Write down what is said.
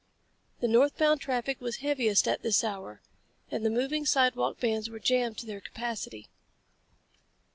The northbound traffic was heaviest at this hour and the moving sidewalk bands were jammed to their capacity.